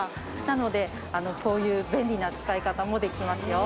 なのでこういう便利な使い方もできますよ。